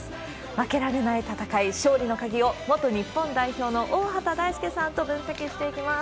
負けられない戦い、勝利の鍵を、元日本代表の大畑大介さんと分析していきます。